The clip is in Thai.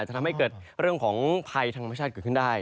จะทำให้เกิดเรื่องของภัยธรรมชาติเกิดขึ้นได้